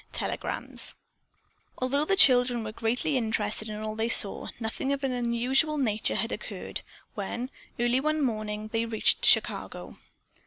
TELEGRAMS Although the children were greatly interested in all they saw, nothing of an unusual nature had occurred, when, early one morning they reached Chicago.